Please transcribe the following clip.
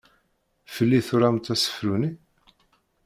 Fell-i i turamt asefru-nni?